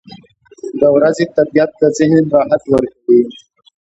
• د ورځې طبیعت د ذهن راحت ورکوي.